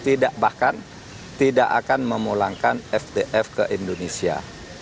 tidak bahkan tidak akan memulangkan fdf ke indonesia